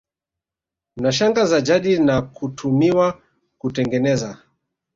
na shanga za jadi na kutumiwa kutengeneza